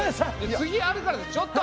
次あるからってちょっと。